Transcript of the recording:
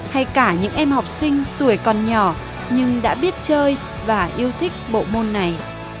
hay cả những em học sinh tuổi còn nhỏ nhưng đã biết chơi và yêu thích bộ môn này